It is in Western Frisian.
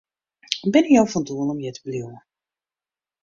Binne jo fan doel om hjir te bliuwen?